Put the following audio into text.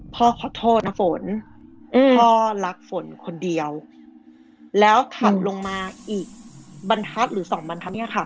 พ่อขอโทษนะฝนพ่อรักฝนคนเดียวแล้วขับลงมาอีกบรรทัศน์หรือสองบรรทัศนเนี่ยค่ะ